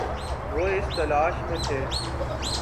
وہ اس تلاش میں تھے